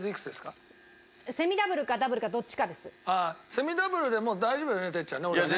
セミダブルでも大丈夫だよね哲ちゃんね俺らね。